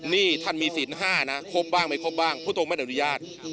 นี่ท่านมีสินห้านะครบบ้างไม่ครบบ้างพุทธโครงแม่นอนุญาต